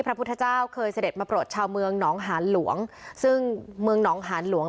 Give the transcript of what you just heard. พระพุทธเจ้าเคยเสด็จมาโปรดชาวเมืองหนองหานหลวงซึ่งเมืองหนองหานหลวง